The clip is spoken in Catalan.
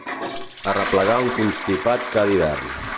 Arreplegar un constipat cada hivern.